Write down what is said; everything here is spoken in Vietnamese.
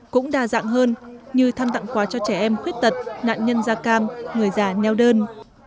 cũng đa dạng hơn như thăm tặng quà cho trẻ em khuyết tật nạn nhân da cam người già neo đơn